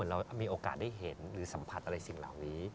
ว่าเหมือนเรามีโอกาสได้เห็นหรือสัมผัสอะไรสิ่งแหล่งนี้